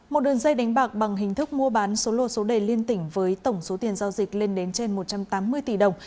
một đường dây đánh bạc bằng hình thức mua bán số lô số đề liên tỉnh với tổng số tiền giao dịch lên đến trên một trăm tám mươi tỷ đồng